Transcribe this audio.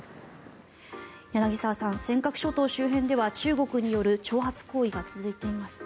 柳澤さん尖閣諸島周辺では中国による挑発行為が続いています。